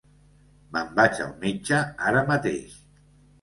Me'n vaig al metge ara mateix.